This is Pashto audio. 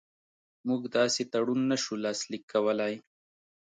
موږ داسې تړون نه شو لاسلیک کولای.